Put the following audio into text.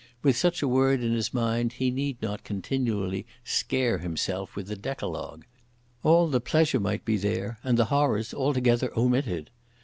With such a word in his mind he need not continually scare himself with the decalogue. All the pleasure might be there, and the horrors altogether omitted.